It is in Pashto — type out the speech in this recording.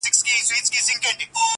« لکه شمع په خندا کي مي ژړا ده !